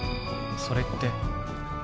それって。